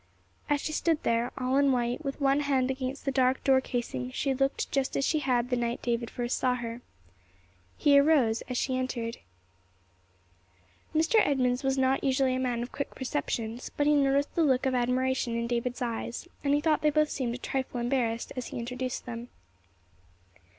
As she stood there, all in white, with one hand against the dark door casing, she looked just as she had the night David first saw her. He arose as she entered. Mr. Edmunds was not usually a man of quick perceptions, but he noticed the look of admiration in David's eyes, and he thought they both seemed a trifle embarrassed as he introduced them.